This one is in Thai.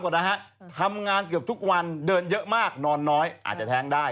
นะฮะทำงานเกือบทุกวันเดินเยอะมากนอนน้อยอาจจะแท้งได้